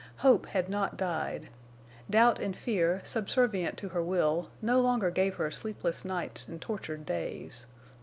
Hope had not died. Doubt and fear, subservient to her will, no longer gave her sleepless nights and tortured days.